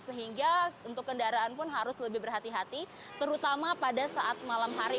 sehingga untuk kendaraan pun harus lebih berhati hati terutama pada saat malam hari